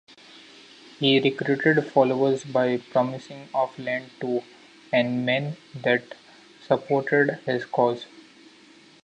He recruited followers by promising of land to any man that supported his cause.